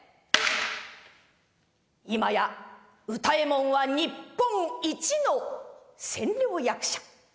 いまや歌右衛門は日本一の千両役者。